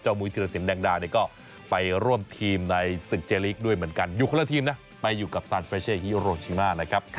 มุยธิรสินแดงดาเนี่ยก็ไปร่วมทีมในศึกเจลีกด้วยเหมือนกันอยู่คนละทีมนะไปอยู่กับซานเฟรเช่ฮิโรชิมานะครับ